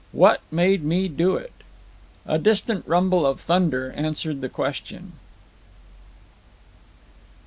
"What made me do it?" A distant rumble of thunder answered the question.